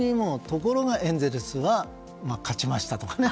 ところがエンゼルスは勝ちましたとかね。